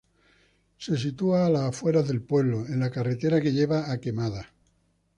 Se sitúa a las afueras del pueblo, en la carretera que lleva a Quemada.